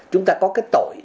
chúng ta có cái tội